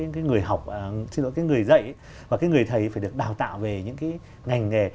cái người dạy và cái người thầy phải được đào tạo về những cái ngành nghề